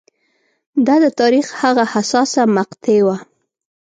دا د تاریخ هغه حساسه مقطعه وه